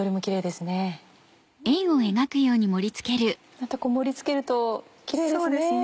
また盛り付けるとキレイですね。